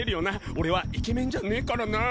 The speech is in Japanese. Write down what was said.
俺はイケメンじゃねえからなぁ。